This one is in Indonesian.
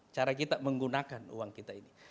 cara kita menggunakan uang kita ini